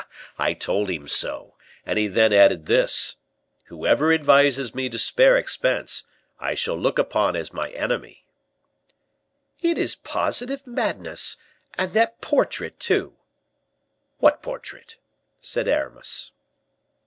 "I told him so, and he then added this: 'Whoever advises me to spare expense, I shall look upon as my enemy.'" "It is positive madness; and that portrait, too!" "What portrait?" said Aramis.